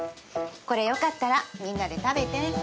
これよかったらみんなで食べて。